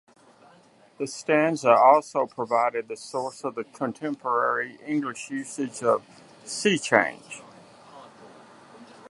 This stanza also provided the source of the contemporary English usage of "sea change".